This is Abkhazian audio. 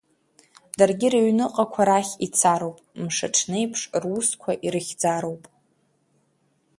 Даргьы рыҩныҟақәа рахь ицароуп, мшаҽнеиԥш, русқәа ирыхьӡароуп.